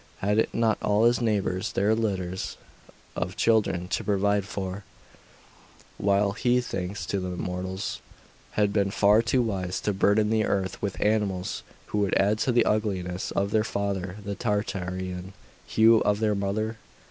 Had not all his neighbours their litters of children to provide for, while he, thanks to the immortals, had been far too wise to burden the earth with animals who would add to the ugliness of their father the Tartarean hue of their mother?